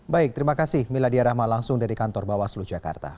baik terima kasih miladia rahma langsung dari kantor bawaslu jakarta